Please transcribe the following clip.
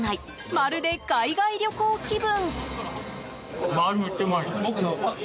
まるで海外旅行気分。